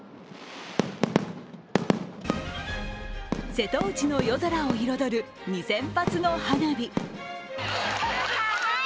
瀬戸内の夜空を彩る２０００発の花火。